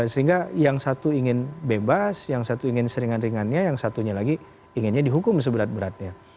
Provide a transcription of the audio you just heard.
sehingga yang satu ingin bebas yang satu ingin seringan ringannya yang satunya lagi inginnya dihukum seberat beratnya